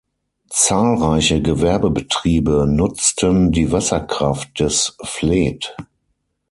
Zahlreiche Gewerbebetriebe nutzten die Wasserkraft des Fleet.